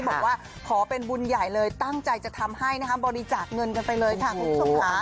บอกว่าขอเป็นบุญใหญ่เลยตั้งใจจะทำให้นะคะบริจาคเงินกันไปเลยค่ะคุณผู้ชมค่ะ